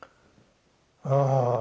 ああ